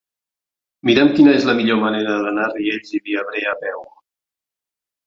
Mira'm quina és la millor manera d'anar a Riells i Viabrea a peu.